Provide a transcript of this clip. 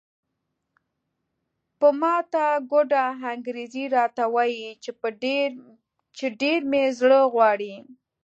په ماته ګوډه انګریزي راته وایي چې ډېر مې زړه غواړي.